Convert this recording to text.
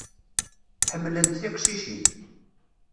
Ḥemmlent tiqcicin.